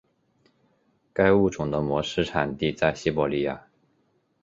该物种的模式产地在西伯利亚。